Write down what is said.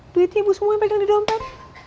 duitnya ibu semua yang pegang di dompet